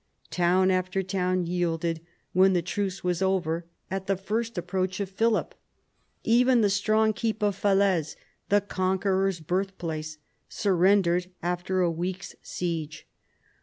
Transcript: Town after town yielded, when the truce was over, at the first approach of Philip. Even the strong keep of Falaise, the conqueror's birthplace, surrendered after a week's siege.